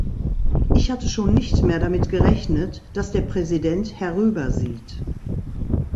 Ich hatte schon nicht mehr damit gerechnet, dass der Präsident herüber sieht.